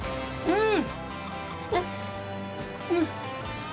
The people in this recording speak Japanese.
うん！